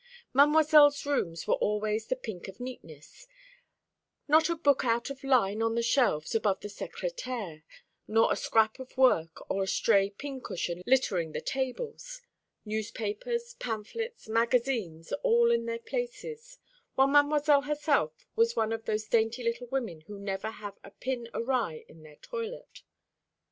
Mademoiselle's rooms were always the pink of neatness; not a book out of line on the shelves above the secrétaire, not a scrap of work or a stray pin cushion littering the tables; newspapers, pamphlets, magazines, all in their places; while Mademoiselle herself was one of those dainty little women who never have a pin awry in their toilet.